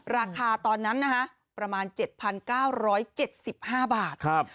ราคาตอนนั้นนะฮะประมาณ๗๙๗๕บาทครับ